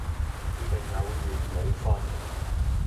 注定有緣冇瞓